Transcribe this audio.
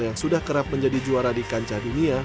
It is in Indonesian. yang sudah kerap menjadi juara di kancah dunia